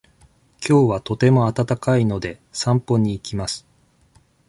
きょうはとても暖かいので、散歩に行きます。